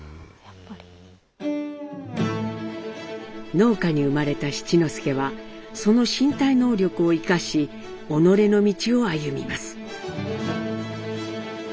農家に生まれた七之助はその身体能力を生かし己の道を歩みます。